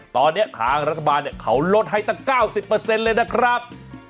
ทางรัฐบาลเขารดให้ตั้ง๙๐เลยนะครับ